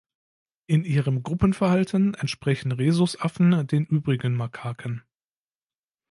In ihrem Gruppenverhalten entsprechen Rhesusaffen den übrigen Makaken.